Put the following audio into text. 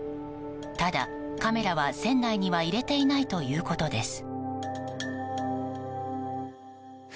ただ、カメラは船内には入れていないということです。